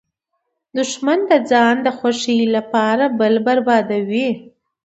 دښمن د ځان د خوښۍ لپاره بل بربادوي